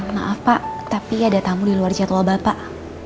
maaf pak tapi ada tamu di luar jadwal bapak